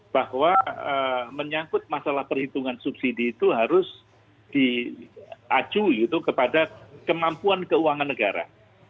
bahwa menyangkut masalah perhitungan subsidi itu harus diaju kepada kemampuan keuangan negara